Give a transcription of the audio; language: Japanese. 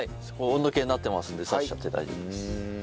温度計になってますので差しちゃって大丈夫です。